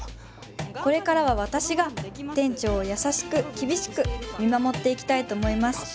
これからは私が店長を優しく厳しく見守っていきたいと思います